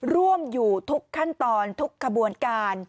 ร่วมอยู่ทุกขั้นตอนทุกขบวนการ